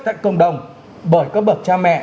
tại cộng đồng bởi các bậc cha mẹ